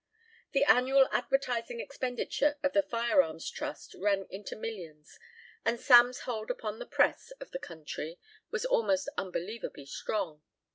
The annual advertising expenditure of the firearms trust ran into millions and Sam's hold upon the press of the country was almost unbelievably strong.